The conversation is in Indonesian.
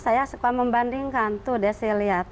makanya saya suka membandingkan tuh deh saya lihat